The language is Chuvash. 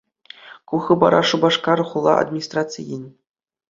Ку хыпара Шупашкар хула администрацийӗн